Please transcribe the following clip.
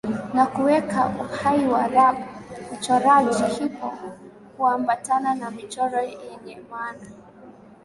na kuweka uhai wa rap Uchoraji Hip Hop huambatana na michoro yenye maana